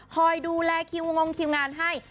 คอยดูแลคิวงงคิวงานให้